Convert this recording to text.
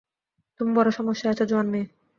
তুমি বড় সমস্যায় আছো, জোয়ান মেয়ে!